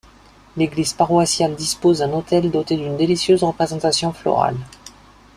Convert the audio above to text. L'église paroissiale dispose d'un autel doté d'une délicieuse représentation florale.